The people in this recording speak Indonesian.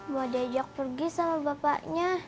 mau diajak pergi sama bapaknya